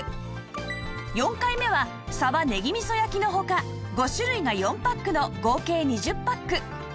４回目はサバねぎ味噌焼の他５種類が４パックの合計２０パック